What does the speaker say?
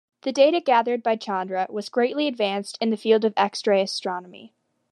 The data gathered by Chandra has greatly advanced the field of X-ray astronomy.